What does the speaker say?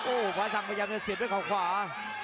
โอ้โหฟ้าสั่งพยายามจะเสียบด้วยเขาขวา